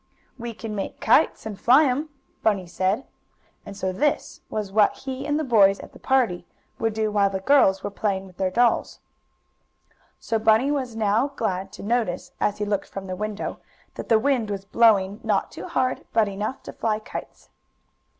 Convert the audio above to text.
"We can make kites, and fly 'em," Bunny said, and so this was what he and the boys at the party would do while the girls were playing with their dolls. So Bunny was now glad to notice, as he looked from the window, that the wind was blowing; not too hard, but enough to fly kites.